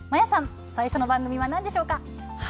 最初の番組は何でしょうか？